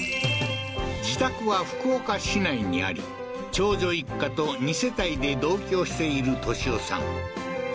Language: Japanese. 自宅は福岡市内にあり長女一家と２世帯で同居している敏夫さん